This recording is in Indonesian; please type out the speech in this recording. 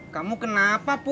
kamu kenapa pur